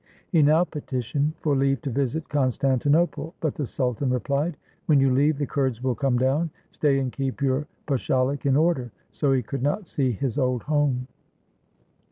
He now petitioned for leave to visit Constantinople; but the sultan replied, "When you leave, the Kurds will come down. Stay and keep your pashalic in order." So he could not see his old home.